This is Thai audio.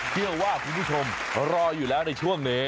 เชื่อว่าคุณผู้ชมรออยู่แล้วในช่วงนี้